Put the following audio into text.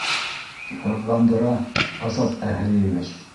Һыҙҙандыра, Азат Әһлиевич...